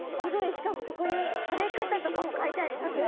しかもここに食べ方とかも書いてありますね。